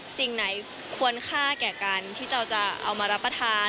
สิ่งไหนควรค่าแก่การที่เราจะเอามารับประทาน